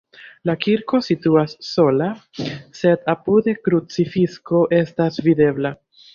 La kirko situas sola, sed apude krucifikso estas videbla.